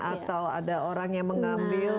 atau ada orang yang mengambil